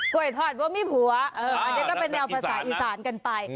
วยทอดว่ามีผัวอันนี้ก็เป็นแนวภาษาอีสานกันไป